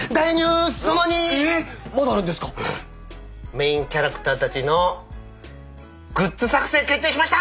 メインキャラクターたちのグッズ作製決定しました！